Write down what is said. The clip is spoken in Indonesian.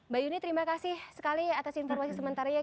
mbak yuni terima kasih sekali atas informasi sementaranya